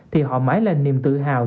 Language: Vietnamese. thì họ mãi lên niềm tự hào